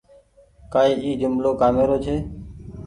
ڪآئي اي جملو ڪآمي رو ڇي۔